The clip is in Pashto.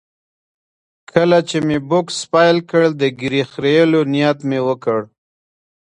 کله چې مې بوکس پیل کړ، د ږیرې خریلو نیت مې وکړ.